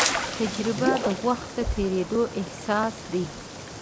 تجربه د وخت د تېرېدو احساس دی.